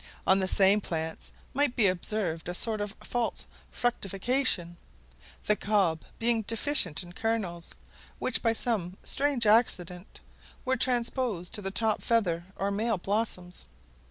On the same plants might be observed a sort of false fructification, the cob being deficient in kernels, which by some strange accident were transposed to the top feather or male blossoms.